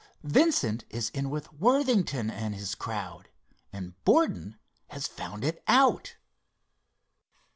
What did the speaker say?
Vincent is in with Worthington and his crowd and Borden has found it out."